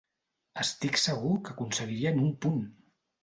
Estic segur que aconseguirien un punt!